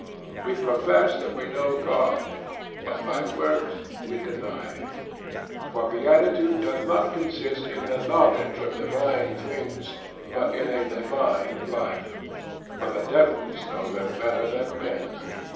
We profess that we know God: but by works we deny him. For beatitude doth not consist in the knowledge of divine things, but in a divine life: for the Devils know them better than men.